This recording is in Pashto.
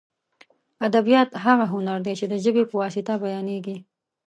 ادبیات هغه هنر دی چې د ژبې په واسطه بیانېږي.